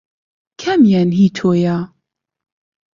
کامیان هی تۆیە؟